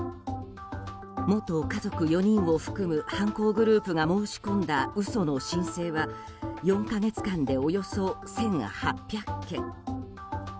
元家族４人を含む犯行グループが申し込んだ嘘の申請は４か月間でおよそ１８００件。